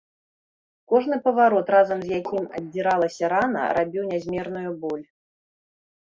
Кожны паварот, разам з якім аддзіралася рана, рабіў нязмерную боль.